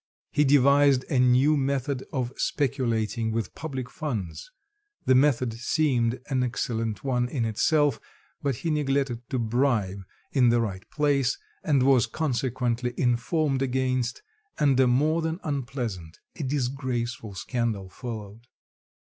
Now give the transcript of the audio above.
He devised a new method of speculating with public funds the method seemed an excellent one in itself but he neglected to bribe in the right place, and was consequently informed against, and a more than unpleasant, a disgraceful scandal followed.